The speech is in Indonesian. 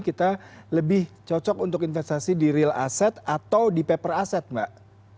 kita lebih cocok untuk investasi di real asset atau di paper asset mbak